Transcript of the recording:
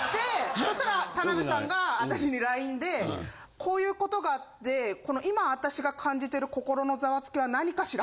そしたら田辺さんが私にＬＩＮＥでこういう事があって今私が感じてる心のざわつきは何かしら？